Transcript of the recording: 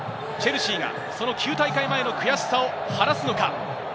チェルシーがその９大会前の悔しさを晴らすのか。